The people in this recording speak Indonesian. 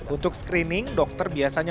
untuk screening dokter biasanya